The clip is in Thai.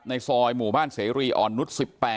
ในซอยหมู่บ้านเสรีอ่อนนุษย์๑๘